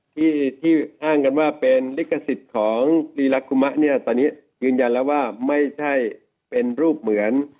ที่ที่อ้างกันว่าเป็นลิขสิทธิ์ของลีลาคุมะเนี่ยตอนนี้ยืนยันแล้วว่าไม่ใช่เป็นรูปเหมือน